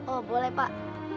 oh boleh pak